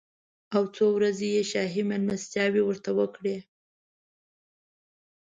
او څو ورځې یې شاهي مېلمستیاوې ورته وکړې.